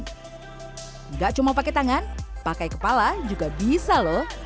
tidak cuma pakai tangan pakai kepala juga bisa loh